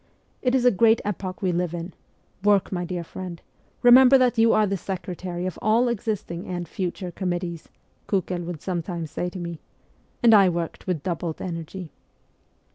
'It is a great epoch we live in ; work, my dear friend ; remember that you are the secretary of all existing and future committees,' Kukel would sometimes say to me, and I worked with doubled energy.